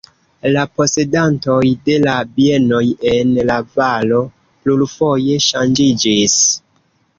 La posedantoj de la bienoj en la valo plurfoje ŝanĝiĝis.